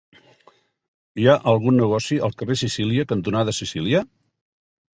Hi ha algun negoci al carrer Sicília cantonada Sicília?